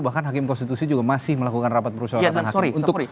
bahkan hakim konstitusi juga masih melakukan rapat perusahabatan hakim